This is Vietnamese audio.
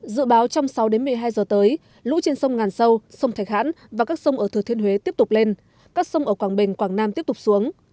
dự báo trong sáu đến một mươi hai giờ tới lũ trên sông ngàn sâu sông thạch hãn và các sông ở thừa thiên huế tiếp tục lên các sông ở quảng bình quảng nam tiếp tục xuống